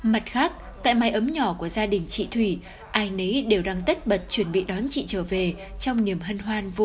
mặt khác tại mái ấm nhỏ của gia đình chị thủy ai nấy đều đang tất bật chuẩn bị đón chị trở về trong niềm hân hoan vui tươi